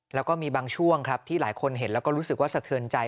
แล้วก็มีบางช่วงครับที่หลายคนเห็นแล้วก็รู้สึกว่าสะเทือนใจ